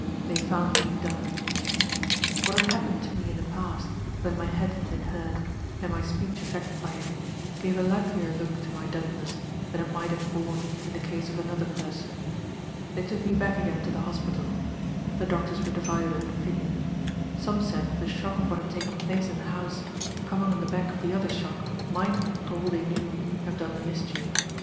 They found me dumb. "What had happened to me in the past, when my head had been hurt, and my speech affected by it, gave a likelier look to my dumbness than it might have borne in the case of another person. They took me back again to the hospital. The doctors were divided in opinion. Some said the shock of what had taken place in the house, coming on the back of the other shock, might, for all they knew, have done the mischief.